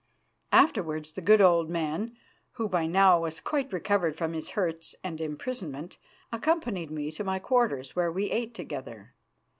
Afterwards the good old man, who by now was quite recovered from his hurts and imprisonment, accompanied me to my quarters, where we ate together.